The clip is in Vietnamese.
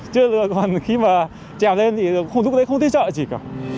chứ còn khi mà chèo lên thì lúc đấy không thấy sợ gì cả